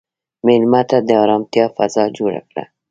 مېلمه ته د ارامتیا فضا جوړ کړه.